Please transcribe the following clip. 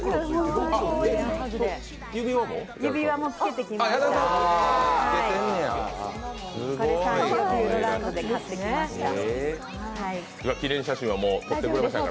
指輪も着けてきました。